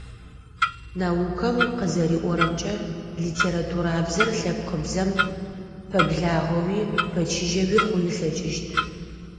Наукэм къызэриӏорэмкӏэ, литературабзэр лъэпкъыбзэм пэблагъэуи пэчыжьэуи хъун ылъэкӀыщт.